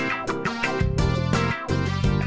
dibawa pulang atau mau makan di sini